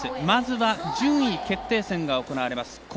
まずは、順位決定戦が行われます。